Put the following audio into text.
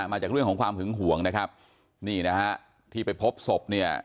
มาจากเรื่องของความหึงห่วงนะครับนี่นะฮะที่ไปพบศพเนี่ย